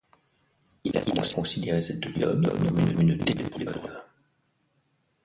Il a considéré cette période comme une terrible épreuve.